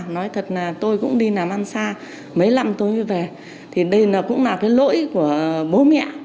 nói thật là tôi cũng đi nằm ăn xa mấy lần tôi về thì đây cũng là cái lỗi của bố mẹ